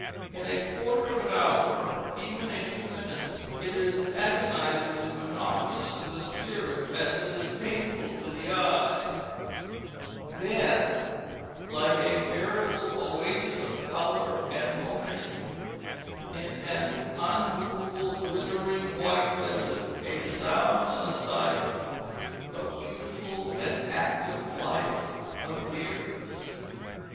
In a quarter of an hour, even in a few minutes, it is agonizingly monotonous to the spirit as it is painful to the eye; then, like a veritable oasis of color and motion in an unmovable glittering white desert, a sound and sight of beautiful and active life appears.